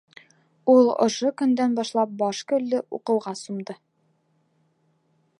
Ул ошо көндән башлап башкөллө уҡыуға сумды.